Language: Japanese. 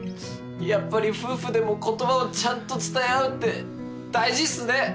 やっぱり夫婦でも言葉をちゃんと伝え合うって大事っすね。